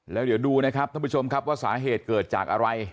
แล้วเดี๋ยวดูนะครับท่านผู้ชมครับว่าสาเหตุเกิดจากอะไร